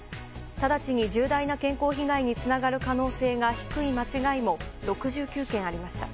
直ちに重大な健康被害につながる可能性が低い間違いも６９件ありました。